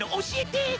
教えて